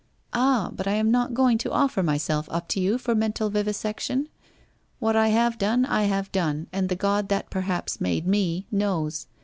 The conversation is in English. ' Ah, but I am not going to offer myself up to you for mental vivisection. What I have done I have done, and the God that perhaps made me, knows.